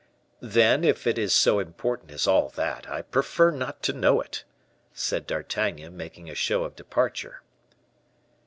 "Then, if it is so important as all that, I prefer not to know it," said D'Artagnan, making a show of departure.